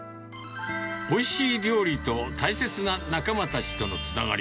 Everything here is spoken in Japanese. おいしい料理と大切な仲間たちとのつながり。